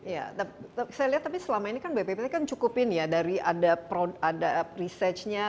ya saya lihat tapi selama ini kan bppt kan cukupin ya dari ada researchnya